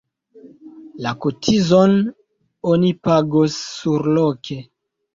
La kotizon oni pagos surloke.